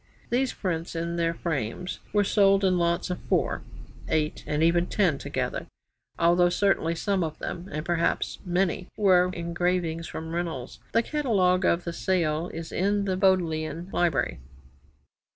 These prints in their frames were sold in lots of 4, 8, and even 10 together, though certainly some of them and perhaps many were engravings from Reynolds. The Catalogue of the sale is in the Bodleian Library.